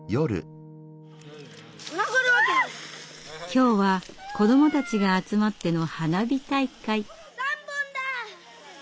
今日は子どもたちが集まっての花火大会。